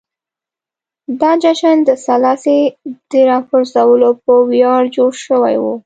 دا جشن د سلاسي د راپرځولو په ویاړ جوړ شوی و.